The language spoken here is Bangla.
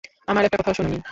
আমার একটা কথাও শুনোনি।